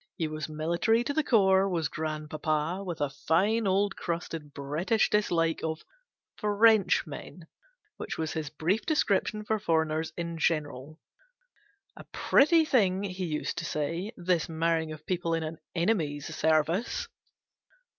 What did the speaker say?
He was military to the core, was grandpapa, with a fine old crusted British dis like of "Frenchmen" which was his brief description for foreigners in general : a pretty thing, he used to say, this marrying of people in an enemy's service